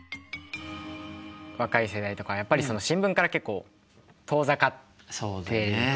若い世代とかやっぱり新聞から結構遠ざかっていると思いますし。